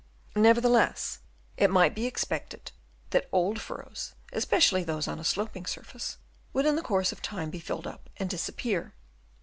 Nevertheless it might be expected that old furrows, especially those on a sloping surface, 298 DENUDATION OF THE LAND. Chai>. VI. would in the course of time be filled up and disappear.